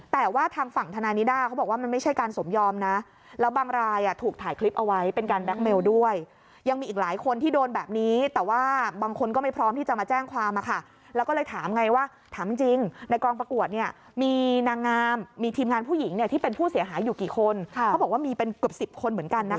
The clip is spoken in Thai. แต่ว่าทางฝั่งธนายนิด้าเขาบอกว่ามันไม่ใช่การสมยอมนะแล้วบางรายถูกถ่ายคลิปเอาไว้เป็นการแก๊คเมลด้วยยังมีอีกหลายคนที่โดนแบบนี้แต่ว่าบางคนก็ไม่พร้อมที่จะมาแจ้งความแล้วก็เลยถามไงว่าถามจริงในกองประกวดเนี่ยมีนางงามมีทีมงานผู้หญิงเนี่ยที่เป็นผู้เสียหายอยู่กี่คนเขาบอกว่ามีเป็นเกือบสิบคนเหมือนกันนะ